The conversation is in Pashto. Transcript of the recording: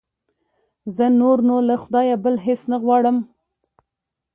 زه نور نو له خدایه بل هېڅ نه غواړم.